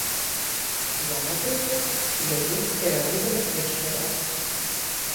Я, напрыклад, яе перавыдала б яшчэ раз.